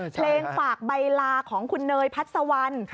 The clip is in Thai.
เพลงฝากใบลาของคุณเนยพัศวรรณ